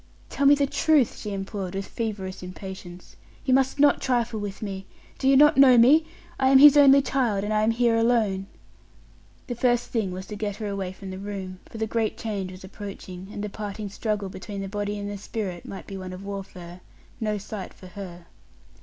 "Tell me the truth!" she implored, with feverish impatience: "you must not trifle with me. Do you not know me? I am his only child, and I am here alone." The first thing was to get her away from the room, for the great change was approaching, and the parting struggle between the body and the spirit might be one of warfare no sight for her.